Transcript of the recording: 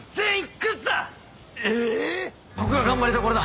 ここが頑張りどころだ。